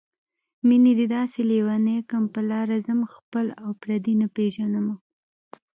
مينې دې داسې لېونی کړم په لاره ځم خپل او پردي نه پېژنمه